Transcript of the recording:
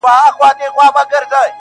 چي وهل یې د سیند غاړي ته زورونه -